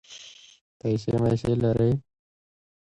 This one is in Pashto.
پیسې مېسې لرې.